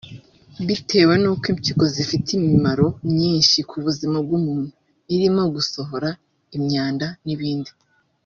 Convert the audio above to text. bitewe n’uko impyiko zifite imimaro myinshi ku buzima bw’umuntu irimo gusohora imyanda n’ibindi